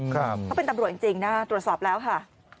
เขาเป็นตำรวจจริงนะตรวจสอบแล้วค่ะ